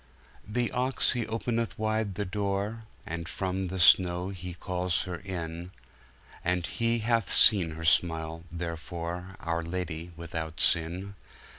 The Ox he openeth wide the Doore, And from the Snowe he calls her inne, And he hath seen her Smile therefor, Our Ladye without Sinne.